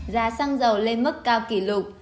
giá xăng dầu lên mức cao kỷ lục